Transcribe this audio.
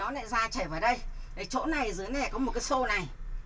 chỗ này dưới này có một cái xô này